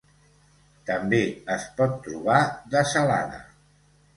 També es pot trobar dessalada.